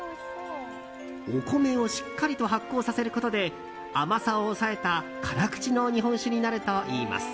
お米をしっかりと発酵させることで甘さを抑えた辛口の日本酒になるといいます。